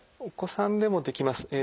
お子さんでもできます。